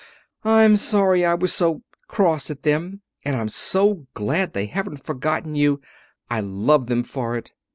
I'm sorry I was so cross at them; and I'm so glad they haven't forgotten you. I love them for it."